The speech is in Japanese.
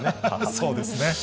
そうですね。